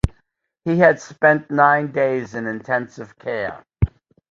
He had spent nine days in intensive care.